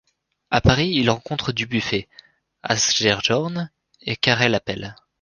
À Paris, il rencontre Dubuffet, Asger Jorn et Karel Appel.